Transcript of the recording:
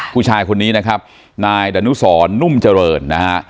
ผู้ชายคนนี้นะครับนายดานุสรนุ่มเจริญนะฮะ